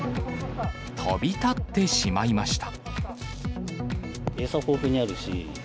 飛び立ってしまいました。